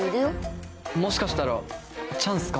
もしかしたらチャンスかも。